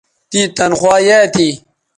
تیں تنخوا یایئ تھی